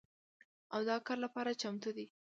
او د کار لپاره چمتو دي